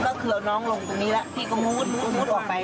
ก็คือเอาน้องลงตรงนี้แล้วพี่ก็มุดมุดออกไป